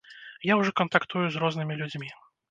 Я ўжо кантактую з рознымі людзьмі.